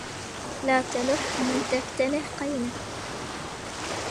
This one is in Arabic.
لا تلح من تفتنه قينه